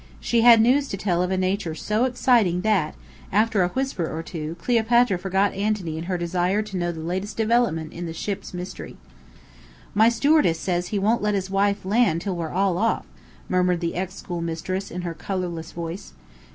She had news to tell of a nature so exciting that, after a whisper or two, Cleopatra forgot Anthony in her desire to know the latest development in the Ship's Mystery. "My stewardess says he won't let his wife land till we're all off," murmured the ex schoolmistress, in her colourless voice.